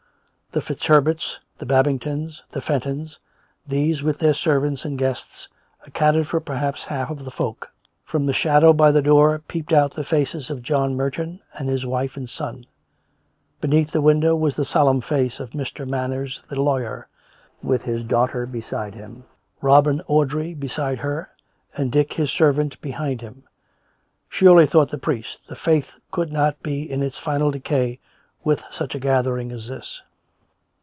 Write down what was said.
The FitzHerberts, the Babingtons, the Fentons — these, with their servants and guests, accounted for per haps half of the folk. From the shadow by the door peeped out the faces of John Merton and his wife and son; be neath the window was the solemn face of Mr. Manners the lawyer, with his daughter beside him, Robin Audrey beside her, and Dick his servant behind him. Surely, thought the young priest, the Faith could not be in its final decay, with such a gathering as this.